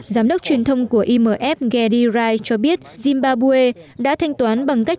giám đốc truyền thông của imf geddy wright cho biết zimbabwe đã thanh toán bằng cách